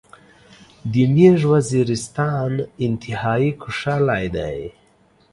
دې ميژ وزيرستان انتهایی کوشلاي داي